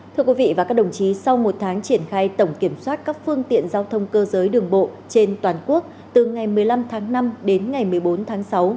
thưa quý vị và các đồng chí sau một tháng triển khai tổng kiểm soát các phương tiện giao thông cơ giới đường bộ trên toàn quốc từ ngày một mươi năm tháng năm đến ngày một mươi bốn tháng sáu